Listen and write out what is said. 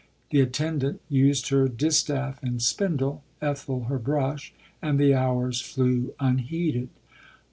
The attendant used her LODORE. 57 distaff and spindle, Ethel her brush, and the hours flew unheeded.